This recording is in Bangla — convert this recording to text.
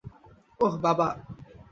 ওহ, বাবা!